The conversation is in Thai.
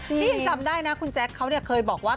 พี่จำได้นะคุณแจ็คเขาเคยบอกว่า